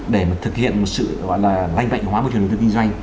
để mà thực hiện một sự gọi là lanh mạnh hóa môi trường đầu tư kinh doanh